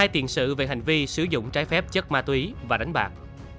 hai tiền sự về hành vi sử dụng trái phép chất ma túy và đánh bạc